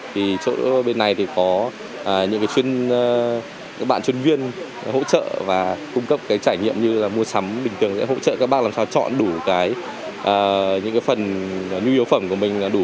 thì chỗ bên này thì có những cái chuyên các bạn chuyên viên hỗ trợ và cung cấp cái trải nghiệm như là mua sắm bình thường sẽ hỗ trợ các bác làm sao chọn đủ cái những cái phần nhu yếu phẩm của mình là đủ bốn trăm linh